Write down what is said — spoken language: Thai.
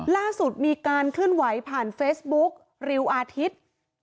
ล่าสุดมีการเคลื่อนไหวผ่านเฟซบุ๊กริวอาทิตย์